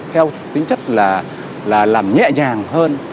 theo tính chất là làm nhẹ nhàng hơn